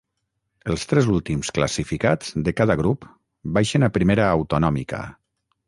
Els tres últims classificats de cada grup baixen a Primera Autonòmica.